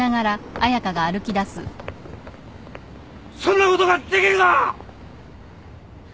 そんなことができるか！